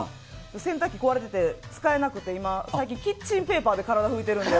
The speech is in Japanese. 洗濯機壊れてて、使えなくて今、最近、キッチンペーパーで体拭いてるので。